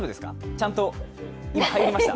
ちゃんと今、入りました？